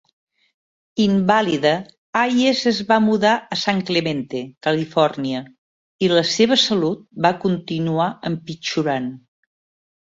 Invàlida, Hayes es va mudar a San Clemente, Califòrnia, i la seva salut va continuar empitjorant.